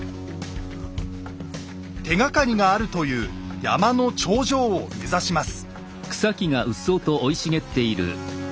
手がかりがあるという山の頂上を目指します。